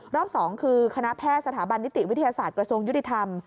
รอบ๒คือคณะแพทย์สถาบันนิติวิทยาศาสตร์กระทรวงยุติธรรม